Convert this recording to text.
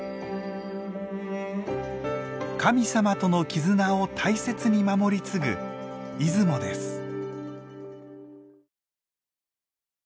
神様との絆を大切に守り継ぐ出雲です。